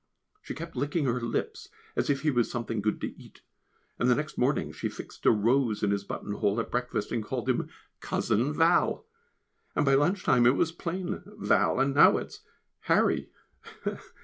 She kept licking her lips as if he was something good to eat, and the next morning she fixed a rose in his buttonhole at breakfast and called him "Cousin Val," and by lunch time it was plain "Val," and now it is "Harry."